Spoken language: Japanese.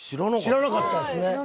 知らなかったですね。